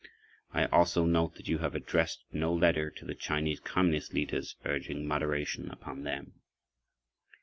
I also note that you have addressed no letter to the Chinese Communist leaders urging moderation upon them.